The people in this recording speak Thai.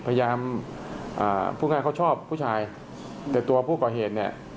พยายามอ่าพูดง่ายเขาชอบผู้ชายแต่ตัวผู้ก่อเหตุเนี่ย